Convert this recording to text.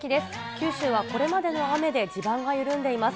九州はこれまでの雨で地盤が緩んでいます。